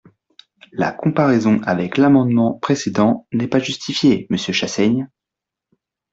La comparaison avec l’amendement précédent n’est pas justifiée, monsieur Chassaigne.